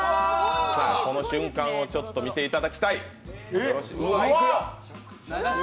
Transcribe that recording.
この瞬間を見ていただきたい！